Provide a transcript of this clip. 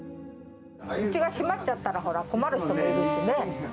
うちが閉まっちゃったら、ほら、困る人がいるしね。